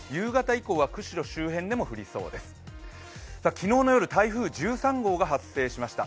昨日の夜、台風１３号が発生しました。